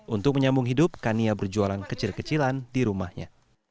untuk menyambung hidup kania berjualan kecil kecilan di rumahnya